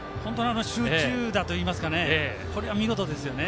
集中打といいますかこれは見事ですよね。